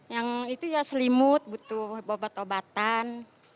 yang itu ya selimut butuh obat obatan